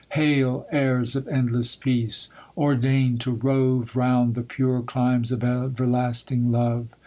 Hail, heirs of endless peace ! ordain'd to rove Round the pure climes of everlasting iove.